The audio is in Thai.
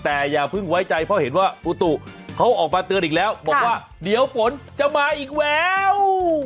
แต่อย่าเพิ่งไว้ใจเพราะเห็นว่าอุตุเขาออกมาเตือนอีกแล้วบอกว่าเดี๋ยวฝนจะมาอีกแล้ว